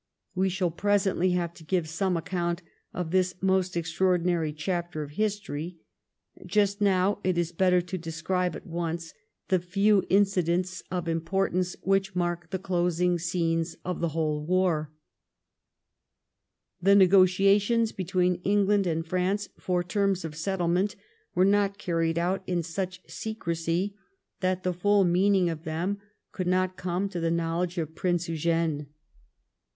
We shall presently have to give some account of this most extraordinary chapter of history. Just now, it is better to describe at once the few incidents of importance which mark the closing scenes of the whole war. The negotiations between England and France for terms of settlement were not carried on in such 1712 EUGENE IN ENGLAND. 51 secrecy that the full meaning of them could not come to the knowledge of Prince Eugene.